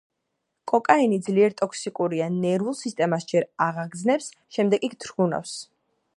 კოკაინი ძლიერ ტოქსიკურია, ნერვულ სისტემას ჯერ აღაგზნებს, შემდეგ კი თრგუნავს.